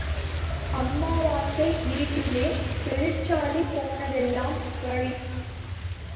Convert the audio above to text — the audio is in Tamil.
அமாவாசை இருட்டிலே பெருச்சாளி போனதெல்லாம் வழி.